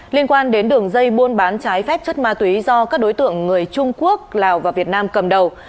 liên quan đến đường dây buôn bán trái phép chất ma túy do các đối tượng người trung quốc lào và việt nam cầm đầu